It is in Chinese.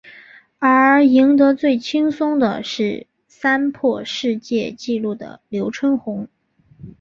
而赢得最轻松的是三破世界纪录的刘春红。